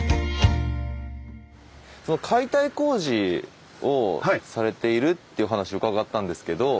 解体工事をされているっていうお話を伺ったんですけど。